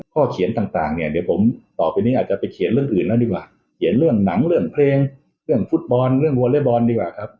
เขียนต่างเนี่ยเดี๋ยวผมต่อไปนี้อาจจะไปเขียนเรื่องอื่นแล้วดีกว่าเขียนเรื่องหนังเรื่องเพลงเรื่องฟุตบอลเรื่องวอเล็กบอลดีกว่าครับ